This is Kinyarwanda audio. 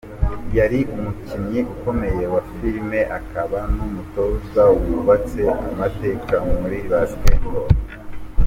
yari umukinnyi ukomeye wa filime akaba n’umutoza wubatse amateka muri Basketball.